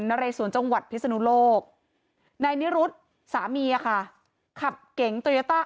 เรสวนจังหวัดพิศนุโลกนายนิรุธสามีอะค่ะขับเก๋งโตยาต้า